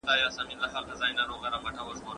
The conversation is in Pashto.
موږ بايد يو بل ته وخت ورکړو.